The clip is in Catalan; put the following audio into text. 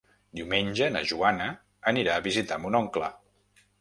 Diumenge na Joana anirà a visitar mon oncle.